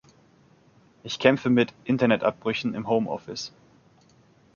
Ich kämpfe mit Internetabbrüchen im Homeoffice.